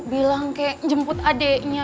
bilang kayak jemput adeknya